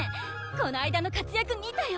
この間の活躍見たよ！